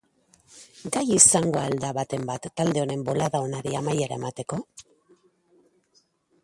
Gai izango al da baten bat talde honen bolada onari amaiera emateko?